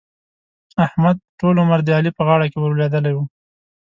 احمد؛ ټول عمر د علي په غاړه کې ور لوېدلی وو.